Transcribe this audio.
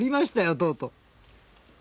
とうとう。